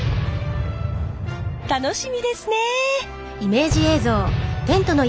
楽しみですね。